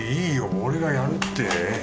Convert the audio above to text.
俺がやるって。